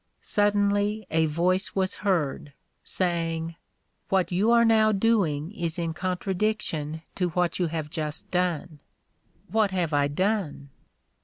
Suddenly a voice was heard, saying: "What you are now doing is in contradiction to what you have just done." "What have I done?"